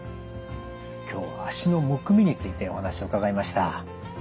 今日は脚のむくみについてお話を伺いました。